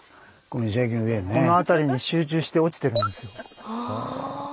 この辺りに集中して落ちてるんですよ。